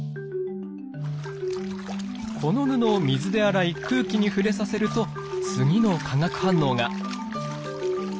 この布を水で洗い空気に触れさせると次の化学反応が！